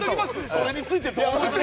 それについてどう思って。